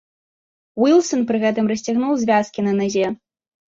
Уілсан пры гэтым расцягнуў звязкі на назе.